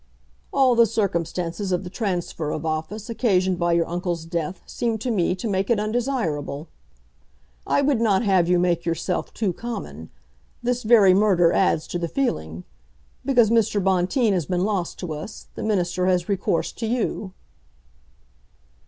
"All the circumstances of the transfer of office occasioned by your uncle's death seem to me to make it undesirable. I would not have you make yourself too common. This very murder adds to the feeling. Because Mr. Bonteen has been lost to us, the Minister has recourse to you."